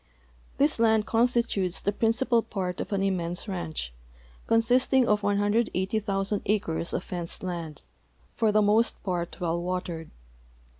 This land constitutes the principal part of an immense ranch, consisting of 180,000 acres of fenced land, for the most }>art well watered.